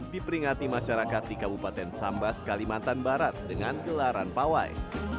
diperingati masyarakat di kabupaten sambas kalimantan barat dengan gelaran pawai